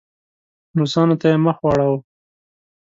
روسانو ته یې مخ واړاوه.